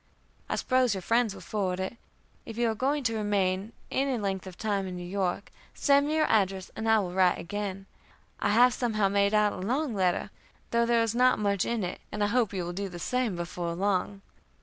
I suppose your friends will forward it. If you are going to remain any length of time in New York, send me your address, and I will write again. I have somehow made out a long letter, though there is not much in it, and I hope you will do the same before long.